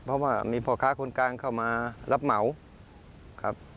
เพราะว่ามีพ่อค้าคนกลางเข้ามารับเหมาครับ